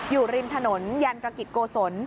อยู่ริมถนนยันตรกิจโกศล